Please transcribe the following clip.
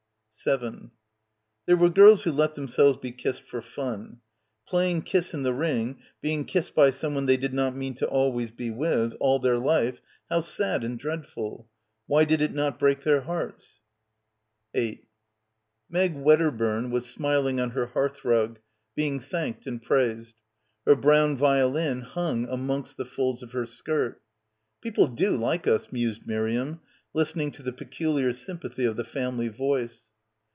7 ... There were girls who let themselves be kissed for fun. ... Playing "Kiss in the Ring," being kissed by someone they did not mean to always be with, all their life ... how sad and dreadful. Why did it not break their hearts ? 8 Meg Wedderburn was smiling on her hearthrug, being thanked and praised. Her brown violin hung amongst the folds of her skirt. — 42 — BACKWATER "People do like us," mused Miriam, listening to the peculiar sympathy of die family voice.